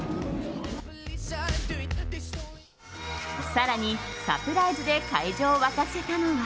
更にサプライズで会場を沸かせたのは。